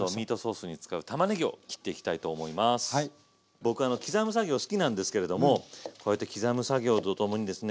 僕あの刻む作業好きなんですけれどもこうやって刻む作業とともにですね